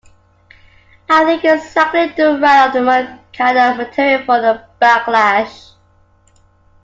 I think it's exactly the right kind of material for a backlash.